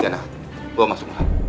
diana bawa masuk mulan